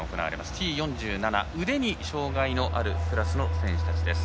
Ｔ４７、腕に障がいのあるクラスの選手たちです。